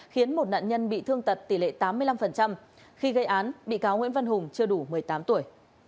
khiến một nạn nhân bị thương tật tỷ lệ tám mươi năm khi gây án bị cáo nguyễn văn hùng chưa đủ một mươi tám tuổi